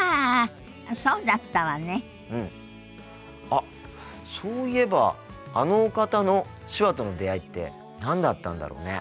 あっそういえばあのお方の手話との出会いって何だったんだろうね。